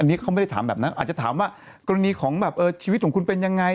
อันนี้เขาไม่ได้ถามแบบนั้นอาจจะถามว่ากรณีของแบบชีวิตของคุณเป็นยังไง